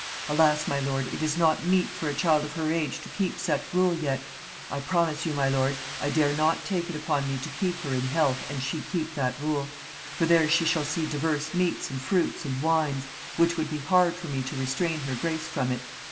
Alas! my lord, it is not meet for a child of her age to keep such rule yet. I promise you, my lord, I dare not take it upon me to keep her in health and she keep that rule. For there she shall see divers meats and fruits, and wine: which would be hard for me to restrain her grace from it.